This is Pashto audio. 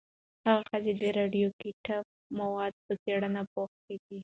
هغه ښځه د راډیواکټیف موادو په څېړنه بوخته وه.